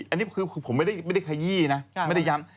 อันนี้คือผมไม่ได้ขยี้นะไม่ได้ย้ำ